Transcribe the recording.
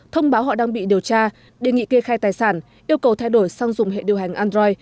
thông báo họ đang bị điều tra đề nghị kê khai tài sản yêu cầu thay đổi sang dùng hệ điều hành android